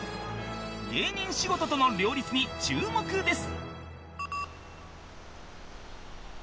芸人仕事との両立に注目です